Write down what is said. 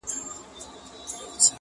پر هغه لاره مي یون دی نازوه مي -